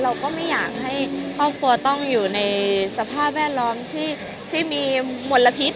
เราก็ไม่อยากให้ครอบครัวต้องอยู่ในสภาพแวดล้อมที่มีมลพิษ